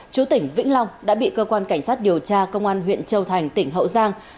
chú tỉnh vĩnh long đã bị cơ quan cảnh sát điều tra công an huyện châu thành tỉnh hậu giang